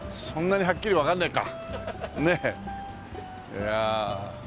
いやあ。